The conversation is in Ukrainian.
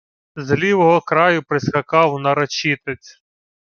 З лівого краю прискакав нарочитець: